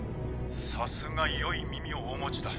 さすがよい耳をお持ちだ。